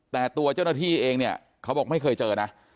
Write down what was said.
แต่ตัวเจ้าหน้าที่เองเนี่ยเขาบอกไม่เคยเจอนะ